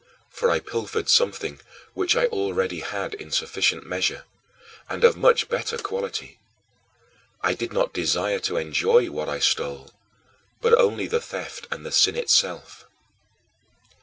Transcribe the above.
For I pilfered something which I already had in sufficient measure, and of much better quality. I did not desire to enjoy what I stole, but only the theft and the sin itself.